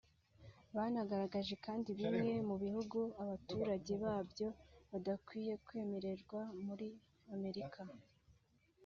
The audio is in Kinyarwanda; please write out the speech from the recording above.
Banagaragaje kandi bimwe mu bihugu abaturage babyo badakwiye kwemererwa muri Amerika